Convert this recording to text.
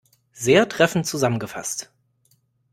Sehr treffend zusammengefasst!